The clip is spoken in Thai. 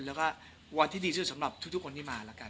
แล้วก็วันที่ดีที่สุดสำหรับทุกคนที่มาแล้วกัน